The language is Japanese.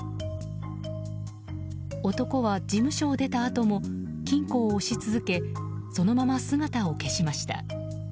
男は事務所を出たあとも金庫を押し続けそのまま姿を消しました。